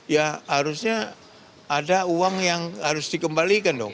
ya harusnya ada uang yang harus dikembalikan dong